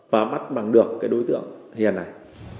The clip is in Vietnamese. và bắt bằng được cái đối tượng hiền này